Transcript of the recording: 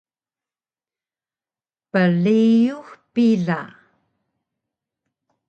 Priyux pila